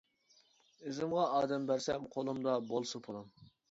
ئىزىمغا ئادەم بەرسەم، قولۇمدا بولسا پۇلۇم.